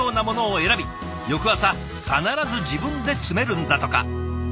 翌朝必ず自分で詰めるんだとか。